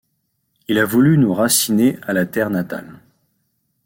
Il a voulu nous raciner à la terre natale.